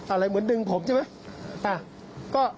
อะไรเหมือนดึงผมใช่ไหม